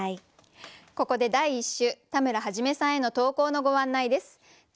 ここで第１週田村元さんへの投稿のご案内です。